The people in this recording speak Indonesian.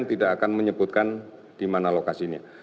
tidak akan menyebutkan di mana lokasi ini